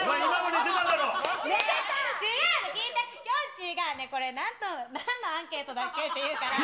違うの、聞いて、きょんちいが、これ、なんのアンケートだっけって言うから。